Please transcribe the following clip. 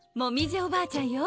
おばあちゃんよ。